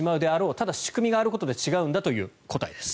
ただ、仕組みがあることで違うという答えです。